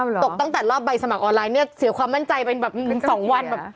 ตกตั้งแต่รอบใบสมัครออนไลน์เนี่ยเสียความมั่นใจเป็นแบบ๒วันแบบ